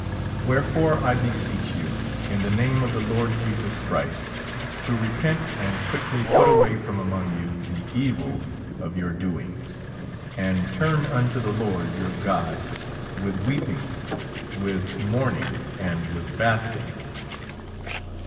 Wherefore I beseech 3'ou, in the name of tlie Lord Jesus Christ, to repent and quickh' put away from among you the evil of j^our do ings, and turn unto the Lord 3'our God with weeping, with mourning, and with fasting.